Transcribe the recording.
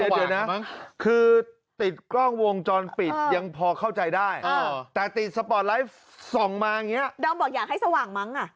แต่สปอร์ตไลฟ์ส่องมาอย่างนี้อะโดรมบอกอยากให้สว่างมั้งอะ